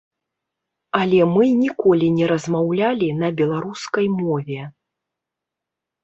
Але мы ніколі не размаўлялі на беларускай мове.